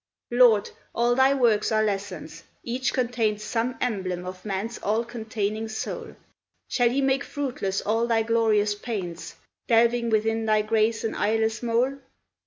Lord! all thy works are lessons, each contains Some emblem of man's all containing soul; Shall he make fruitless all thy glorious pains, Delving within thy grace an eyeless mole?